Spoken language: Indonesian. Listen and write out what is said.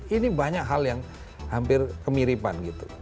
ini banyak hal yang hampir kemiripan gitu